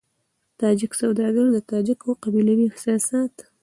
تاجک سوداګر د تاجکو قبيلوي احساسات.